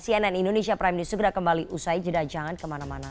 cnn indonesia prime news segera kembali usai jeda jangan kemana mana